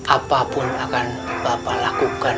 apapun akan bapak lakukan